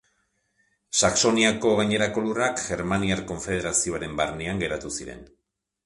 Saxoniako gainerako lurrak Germaniar Konfederazioaren barnean geratu ziren.